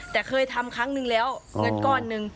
แต่เคยทำครั้งนึงแล้วเงินก้อนหนึ่ง